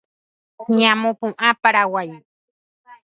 Ñamopu’ã Paraguay